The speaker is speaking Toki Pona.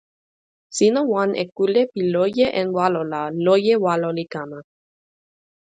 sina wan e kule pi loje en walo la loje walo li kama.